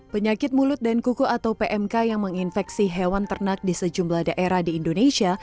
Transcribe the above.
penyakit mulut dan kuku atau pmk yang menginfeksi hewan ternak di sejumlah daerah di indonesia